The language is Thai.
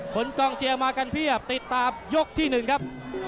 กองเชียร์มากันเพียบติดตามยกที่๑ครับ